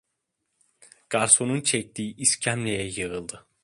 Garsonun çektiği iskemleye yığıldı.